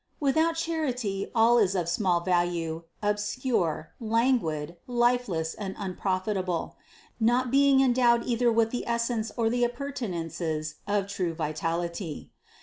Without charity all is of small value, obscure, languid, lifeless and unprofitable, not being endowed either with the essence or the appurtenances of true vitality.